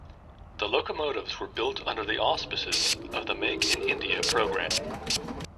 The locomotives were built under the auspices of the Make in India program.